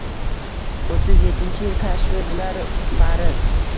O’ttiz yettinchi yil kashfi bular bari —